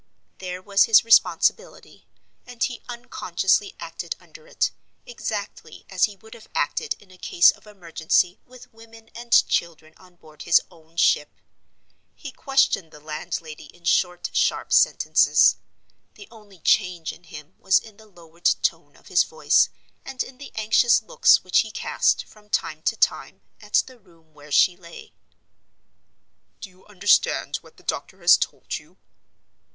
There was his responsibility, and he unconsciously acted under it, exactly as he would have acted in a case of emergency with women and children on board his own ship. He questioned the landlady in short, sharp sentences; the only change in him was in the lowered tone of his voice, and in the anxious looks which he cast, from time to time, at the room where she lay. "Do you understand what the doctor has told you?"